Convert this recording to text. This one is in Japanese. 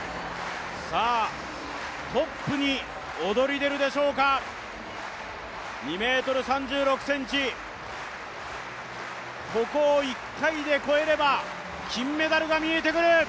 さぁ、トップに躍り出るでしょうか２ｍ３６ｃｍ、ここを１回で越えれば金メダルが見えてくる。